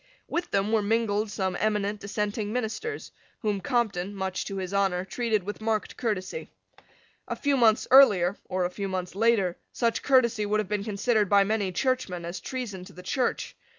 With them were mingled some eminent dissenting ministers, whom Compton, much to his honour, treated with marked courtesy. A few months earlier, or a few months later, such courtesy would have been considered by many Churchmen as treason to the Church.